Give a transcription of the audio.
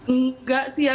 enggak sih ya